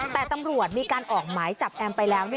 แต่ตำรวจมีการออกหมายจับแอมไปแล้ว